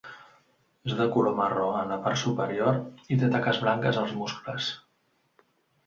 És de color marró en la par superior i té taques blanques als muscles.